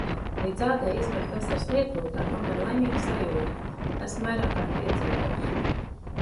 Līdz ādai izmirkt vasaras lietū – tā tomēr ir laimīga sajūta, esmu vairākkārt piedzīvojusi.